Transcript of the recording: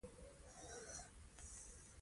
غاښونه هره ورځ پاک کړئ.